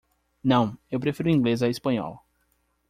Não, eu prefiro Inglês à Espanhol.